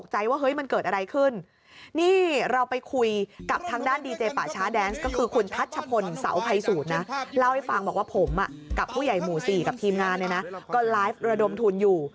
หมู่สี่กับทีมงานเนี่ยนะก็ไลฟ์ระดมทุนอยู่